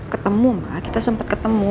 ketemu mah kita sempat ketemu